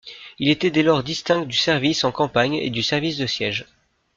Il était dès lors distinct du service en campagne et du service de siège.